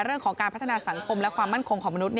เรื่องของการพัฒนาสังคมและความมั่นคงของมนุษย